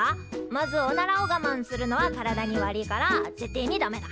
まずおならをがまんするのは体に悪いから絶対にダメだ。